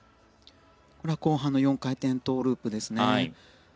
これは後半の４回転トウループですね。